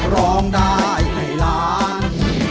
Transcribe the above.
ร้องได้ให้ล้าน